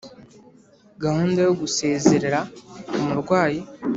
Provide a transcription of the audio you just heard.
Gahunda yo gusezerera umurwayi